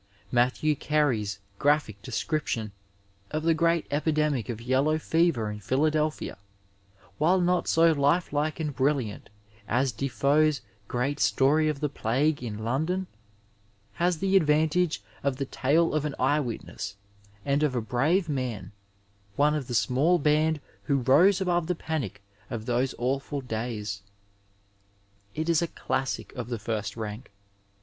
Matthew Carey's graphic description of the great epidemic of yellow fever in Phila delphia, while not so lifelike and brilliant as De Foe's great Btory of the plague in London, has the advantage of the tale of an eye witness and of a brave man, one of the small band who rose above the panic of those awful days. It is a classic of the first rank.